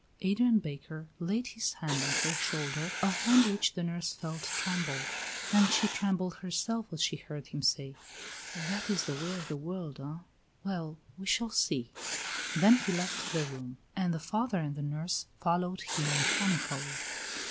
Adrian Baker laid his hand on her shoulder, a hand which the nurse felt tremble, and she trembled herself as she heard him say: "That is the way of the world, eh? Well, we shall see." Then he left the room, and the father and the nurse followed him mechanically.